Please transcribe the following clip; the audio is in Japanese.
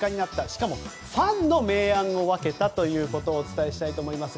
しかもファンの明暗を分けたということをお伝えしたいと思います。